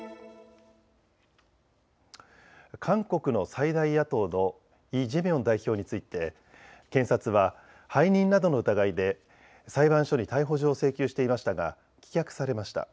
韓国の最大野党のイ・ジェミョン代表について検察は背任などの疑いで裁判所に逮捕状を請求していましたが棄却されました。